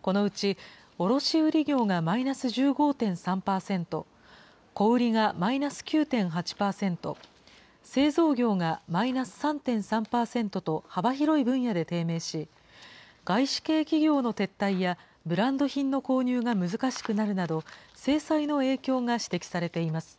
このうち、卸売業がマイナス１５．３％、小売りがマイナス９．８％、製造業がマイナス３．３％と幅広い分野で低迷し、外資系企業の撤退や、ブランド品の購入が難しくなるなど、制裁の影響が指摘されています。